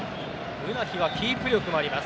ウナヒはキープ力もあります。